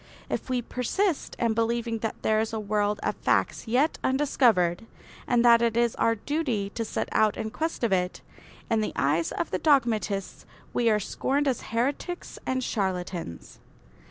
If we persist in believing that there is a world of facts yet undiscovered and that it is our duty to set out in quest of it, in the eyes of the dogmatists we are scorned as heretics and charlatans.